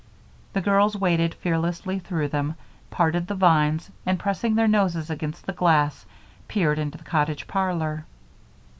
The girls waded fearlessly through them, parted the vines, and, pressing their noses against the glass, peered into the cottage parlor.